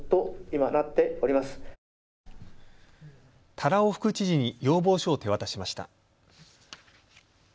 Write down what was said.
多羅尾副知事に要望書を手渡しました。